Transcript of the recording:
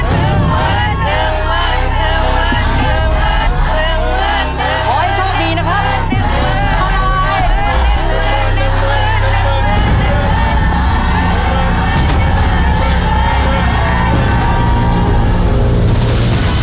ขอให้โชคดีนะครับ